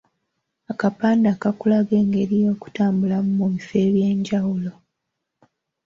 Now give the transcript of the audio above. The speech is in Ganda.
Akapande akulaga engeri y’okutambulamu mu bifo eby’enjawulo.